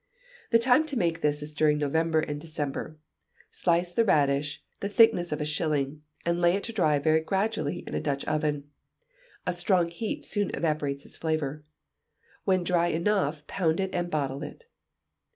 The time to make this is during November and December: slice the radish the thickness of a shilling, and lay it to dry very gradually in a Dutch oven (a strong heat soon evaporates its flavour); when dry enough, pound it and bottle it.